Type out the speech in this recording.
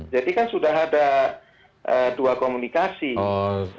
jadi kan sudah ada dua komunikasi